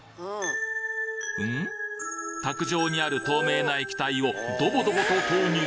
卓上にある透明な液体をドボドボと投入！